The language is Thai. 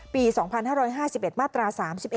ปี๒๕๕๑มาตรา๓๑